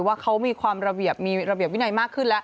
ว่าเขามีความระเบียบมีระเบียบวินัยมากขึ้นแล้ว